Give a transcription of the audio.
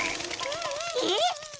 えっ⁉